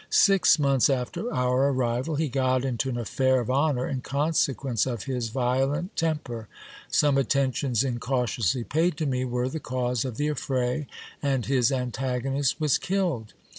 Six months after our arrival, he got into an affair of honour in consequence of his violent temper. Some attentions incautiously paid to me were the cause of the affray, and his antagonist was killed.